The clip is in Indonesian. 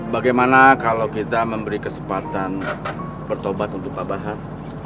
bagaimana kalau kita memberi kesempatan bertobat untuk pabahan